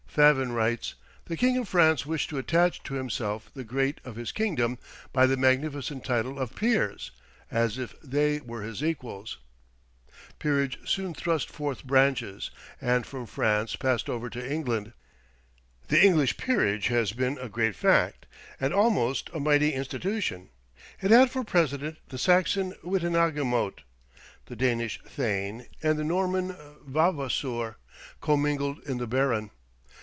Favin writes: "The King of France wished to attach to himself the great of his kingdom, by the magnificent title of peers, as if they were his equals." Peerage soon thrust forth branches, and from France passed over to England. The English peerage has been a great fact, and almost a mighty institution. It had for precedent the Saxon wittenagemote. The Danish thane and the Norman vavassour commingled in the baron.